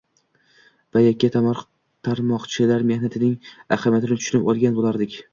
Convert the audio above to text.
va yakka tomorqachilar mehnatining ahamiyatini tushunib olgan bo‘lardik.